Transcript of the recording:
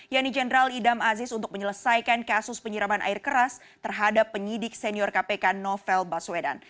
yani jenderal idam aziz untuk menyelesaikan kasus penyiraman air keras terhadap penyidik senior kpk novel baswedan